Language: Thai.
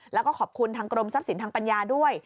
แล้วก็ขอบคุณทางกรมทรัพย์สินทางปัญญาด้วย